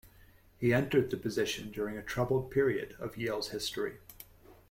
He entered the position during a troubled period of Yale's history.